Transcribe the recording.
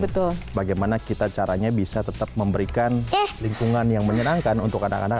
betul bagaimana kita caranya bisa tetap memberikan lingkungan yang menyenangkan untuk anak anak